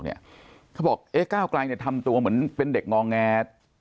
เขาบอกเอ๊ะก้าวไกลทำตัวเหมือนเป็นเด็กงอแง